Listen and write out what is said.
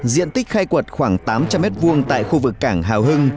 diện tích khai quật khoảng tám trăm linh m hai tại khu vực cảng hào hưng